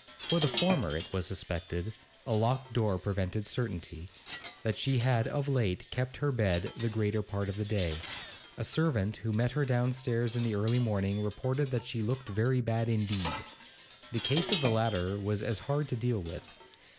For the former, it was suspected a locked door prevented certainty that she had of late kept her bed the greater part of the day; a servant who met her downstairs in the early morning reported that she 'looked very bad indeed.' The case of the latter was as hard to deal with.